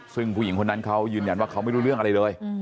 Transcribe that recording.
ซึ่งผู้หญิงคนนั้นเขายืนยันว่าเขาไม่รู้เรื่องอะไรเลย